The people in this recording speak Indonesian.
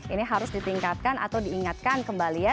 ini harus ditingkatkan atau diingatkan kembali ya